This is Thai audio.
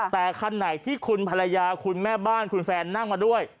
แต่คันไหนที่คุณภรรยาคุณแม่บ้านคุณแฟนนั่งมาด้วย